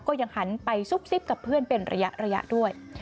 ก็ยังหันไปซุบซิบกับเพื่อนเป็นระยะด้วย